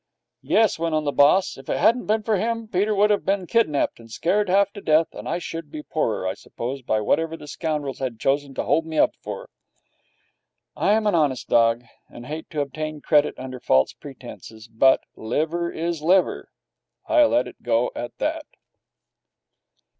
'Yes,' went on the boss, 'if it hadn't been for him, Peter would have been kidnapped and scared half to death, and I should be poorer, I suppose, by whatever the scoundrels had chosen to hold me up for.' I am an honest dog, and hate to obtain credit under false pretences, but liver is liver. I let it go at that.